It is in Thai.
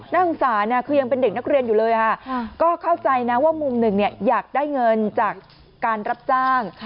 นักศึกษาคือยังเป็นเด็กนักเรียนอยู่เลยค่ะก็เข้าใจนะว่ามุมหนึ่งอยากได้เงินจากการรับจ้าง